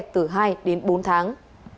từ hai bốn tháng